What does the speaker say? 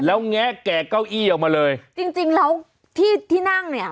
แล้วแงะแก่เก้าอี้ออกมาเลยจริงจริงแล้วที่ที่นั่งเนี่ย